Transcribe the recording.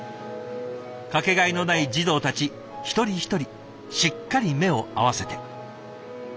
かけがえのない児童たち一人一人しっかり目を合わせて。